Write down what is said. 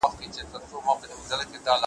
چي د دام پر سر یې غټ ملخ ته پام سو ,